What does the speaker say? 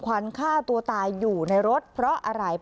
อันดับที่สุดท้าย